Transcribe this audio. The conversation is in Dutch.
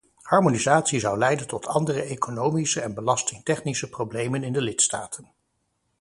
Harmonisatie zou leiden tot andere economische en belastingtechnische problemen in de lidstaten.